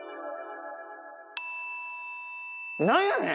何やねん。